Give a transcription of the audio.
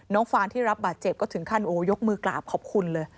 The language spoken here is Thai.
ฟานที่รับบาดเจ็บก็ถึงขั้นโอ้ยกมือกราบขอบคุณเลย